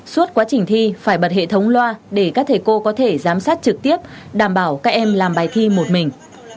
suốt quá trình thi phải bật hệ thống loa để các thầy cô có thể giám sát trực tiếp đảm bảo các em làm bài thi một mình